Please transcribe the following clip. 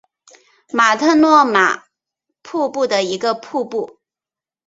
马特诺玛瀑布的一个瀑布。